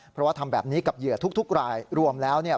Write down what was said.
เพราะว่าทำแบบนี้กับเหยื่อทุกรายรวมแล้วเนี่ย